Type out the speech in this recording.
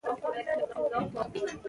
زه به په یو ساعت کې در ورسېږم.